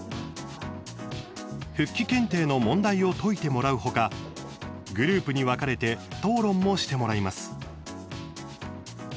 復帰検定の問題を解いてもらうほかグループに分かれて討論もしてもらいます。